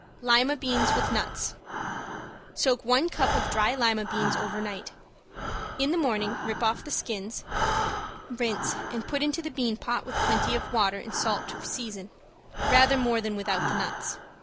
~LIMA BEANS WITH NUTS~ Soak one cup of dry lima beans over night. In the morning rip off the skins, rinse and put into the bean pot with plenty of water and salt to season, rather more than without the nuts.